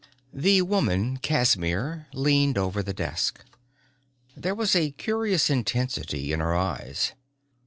The woman, Casimir, leaned over the desk. There was a curious intensity in her eyes.